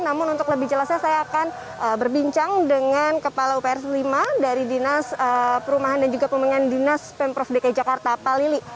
namun untuk lebih jelasnya saya akan berbincang dengan kepala uprs lima dari dinas perumahan dan juga pembangunan dinas pemprov dki jakarta pak lili